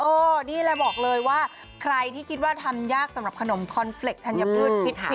นี่แหละบอกเลยว่าใครที่คิดว่าทำยากสำหรับขนมคอนเฟรกธัญพืชพิษ